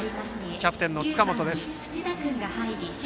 キャプテンの塚本です。